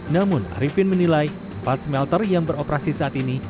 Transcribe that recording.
namun arifin menilai empat smelter yang beroperasi saat ini